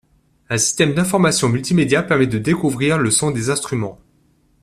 Un système d’information multimédia permet de découvrir le son des instruments.